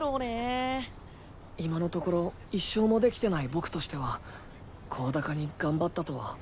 今のところ１勝もできてない僕としては声高に頑張ったとは。